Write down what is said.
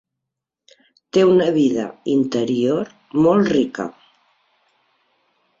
Té una vida interior molt rica.